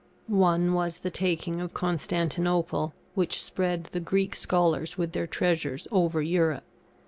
One was the taking of Constantinople, which spread the Greek scholars with their treasures over Europe.